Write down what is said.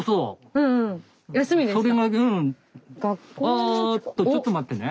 あっとちょっと待ってね。